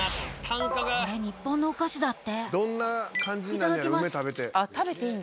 これ、日本のお菓子だって。